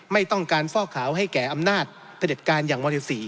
ไม่ต้องการฟอกขาวให้แก่อำนาจพระเด็จการอย่างมร๔